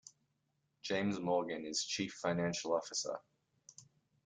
James Morgan is chief financial officer.